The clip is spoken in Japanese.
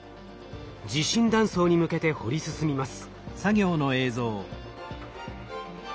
地震断層に向けて掘り進みます。